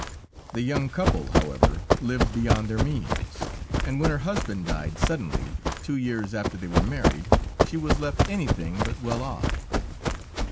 The young couple, however, lived beyond their means, and when her husband died suddenly, two years after they were married, she was left anything but well off.